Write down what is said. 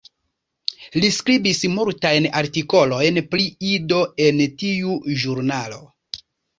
Li skribis multajn artikolojn pri Ido en tiu ĵurnalo.